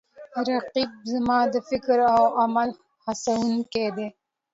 رقیب زما د فکر او عمل هڅوونکی دی